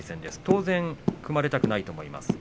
当然、組まれたくないと思います。